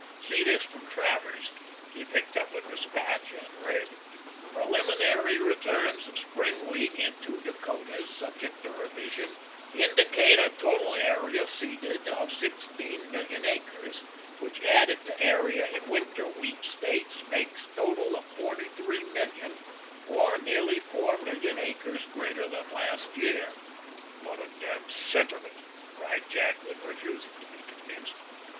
See this from Travers" he picked up a despatch and read: "'Preliminary returns of spring wheat in two Dakotas, subject to revision, indicate a total area seeded of sixteen million acres, which added to area in winter wheat states, makes total of forty three million, or nearly four million acres greater than last year.'" "Lot of damned sentiment," cried Jadwin, refusing to be convinced.